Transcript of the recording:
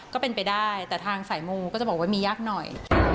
ก็เป็นไปได้แต่ทางสายมูก็จะบอกว่ามียากหน่อย